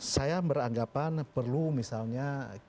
saya beranggapan perlu misalnya